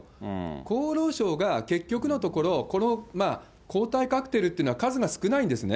厚労省が、結局のところ、この抗体カクテルというのは、数が少ないんですね。